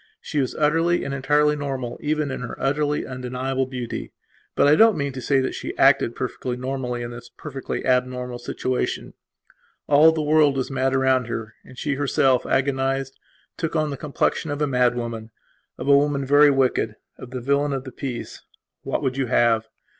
She was utterly and entirely normal even in her utterly undeniable beauty. But I don't mean to say that she acted perfectly normally in this perfectly abnormal situation. All the world was mad around her and she herself, agonized, took on the complexion of a mad woman; of a woman very wicked; of the villain of the piece. What would you have?